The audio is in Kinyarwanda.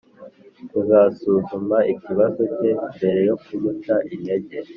kuzasuzuma ikibazo cye mbere yo kumuca intege